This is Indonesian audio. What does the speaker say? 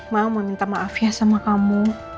mau meminta maaf ya sama kamu